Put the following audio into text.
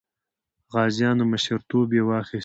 غازیانو مشرتوب یې واخیست.